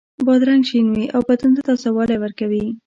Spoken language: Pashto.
بادرنګ شین وي او بدن ته تازه والی ورکوي.